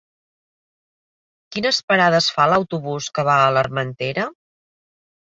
Quines parades fa l'autobús que va a l'Armentera?